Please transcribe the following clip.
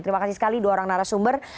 terima kasih sekali dua orang narasumber